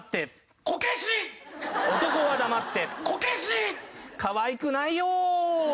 男は黙って。